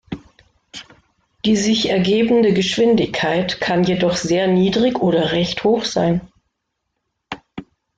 Die sich ergebende Geschwindigkeit kann jedoch sehr niedrig oder recht hoch sein.